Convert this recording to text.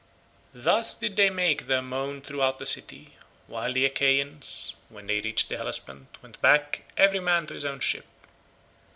Thus did they make their moan throughout the city, while the Achaeans when they reached the Hellespont went back every man to his own ship.